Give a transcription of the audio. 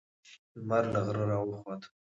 لمر له غره راوخوت.